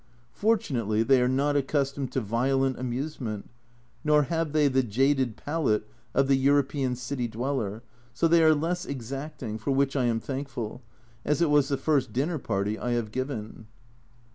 Fortunately they are not accustomed to violent amusement, nor have they the jaded palate of the European city dweller, so they are less exacting, for which I am thankful, as it was the first dinner party I have given.